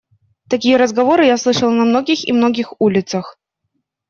Такие разговоры я слышал на многих и многих улицах.